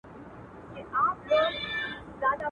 پر خره سپور، خر ځني ورک.